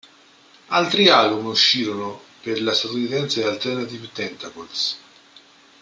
Altri album uscirono per la statunitense Alternative Tentacles.